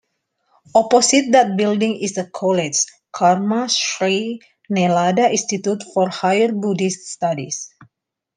Opposite that building is a college, Karma Shri Nalanda Institute for Higher Buddhist Studies.